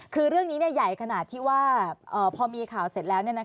คือเรื่องนี้ใหญ่ขนาดที่ว่าพอมีข่าวเสร็จแล้ว